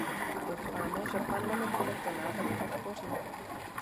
Doufáme, že Parlament tento návrh podpoří.